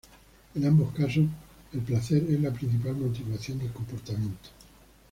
En ambos casos el placer es la principal motivación del comportamiento.